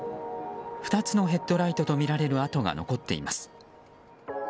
２つのヘッドライトとみられる跡が残っています。